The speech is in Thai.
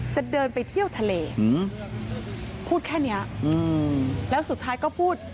จะเดินไปเที่ยวทะเลอืมพูดแค่เนี้ยอืมแล้วสุดท้ายก็พูด